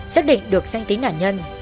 xác định được sanh tính nạn nhân